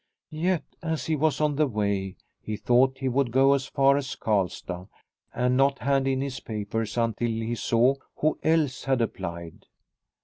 Yet, as he was on the way, he thought he would go as far as Karlstad, and not hand in his papers until he saw who else had applied.